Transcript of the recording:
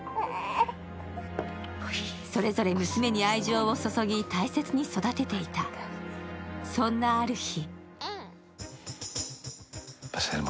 それぞれ娘に愛情を注ぎ、大切に育てていた、そんなある日